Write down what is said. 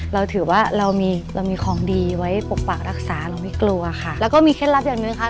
เราถือว่าเรามีเรามีของดีไว้ปกปักรักษาเราไม่กลัวค่ะแล้วก็มีเคล็ดลับอย่างหนึ่งค่ะ